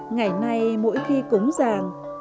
ngày này mỗi khi cúng ràng